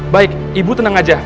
baik ibu tenang aja